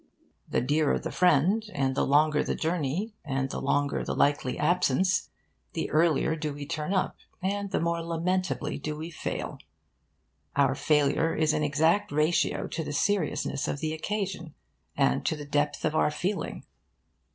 The dearer the friend, and the longer the journey, and the longer the likely absence, the earlier do we turn up, and the more lamentably do we fail. Our failure is in exact ratio to the seriousness of the occasion, and to the depth of our feeling.